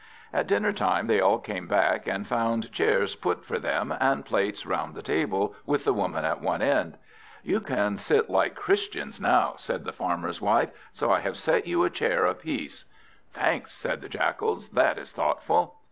At dinner time, they all came back, and found chairs put for them, and plates round the table, with the woman at one end. "You can sit like Christians now," said the Farmer's wife, "so I have set you a chair apiece." "Thanks," said the Jackals; "that is thoughtful."